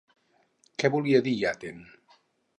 Què volia dir Aten?